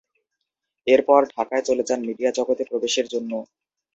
এর পর ঢাকায় চলে যান মিডিয়া জগতে প্রবেশের জন্য।